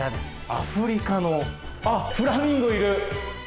アフリカの、あっ、フラミンゴいる。